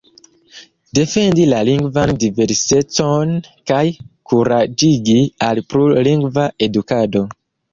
Defendi la lingvan diversecon kaj kuraĝigi al plur-lingva edukado.